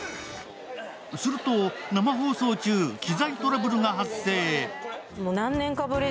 すると、生放送中、機材トラブルが発生。